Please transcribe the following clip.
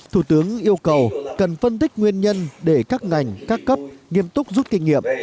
thủ tướng yêu cầu cần phân tích nguyên nhân để các ngành các cấp nghiêm túc rút kinh nghiệm